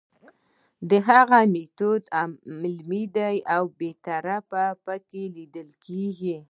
د هغه میتود علمي دی او بې طرفي پکې لیدل کیږي.